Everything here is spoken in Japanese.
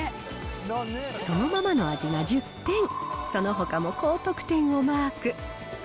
そのままの味が１０点、そのほかも高得点をマーク。